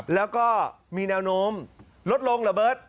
แล้วก็มีแนวโน้มลดลงเหรอเบิร์ต